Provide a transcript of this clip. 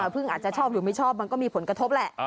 พึ่งอาจจะชอบหรือไม่ชอบมันก็มีผลกระทบแหละ